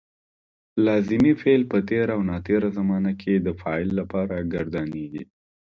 لازمي فعل په تېره او ناتېره زمانه کې د فاعل لپاره ګردانیږي.